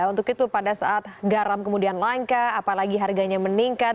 untuk itu pada saat garam kemudian langka apalagi harganya meningkat